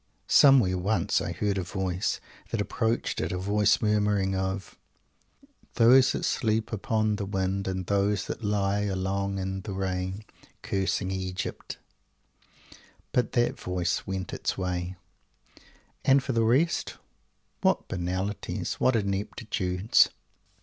Somewhere, once, I heard a voice that approached it; a voice murmuring of "Those that sleep upon the wind, And those that lie along in the rain, Cursing Egypt " But that voice went its way; and for the rest what banalities! What ineptitudes!